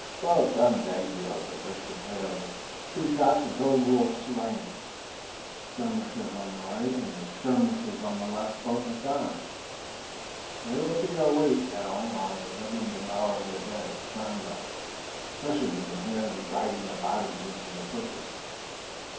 "Well done, Dagaeoga," whispered Tayoga. "Two shots and two wolves slain. The skirmisher on the right and the skirmisher on the left both are gone. There will be a wait now while the living devour their dead comrades. Listen, you can hear them dragging the bodies into the bushes."